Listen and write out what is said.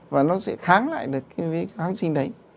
và nó sẽ kháng lại được cái vi khuẩn